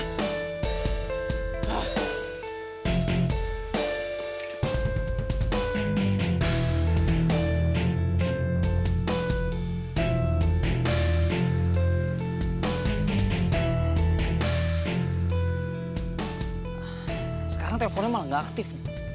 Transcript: sekarang telponnya malah gak aktif